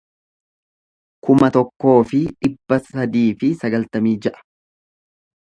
kuma tokkoo fi dhibba sadii fi sagaltamii ja'a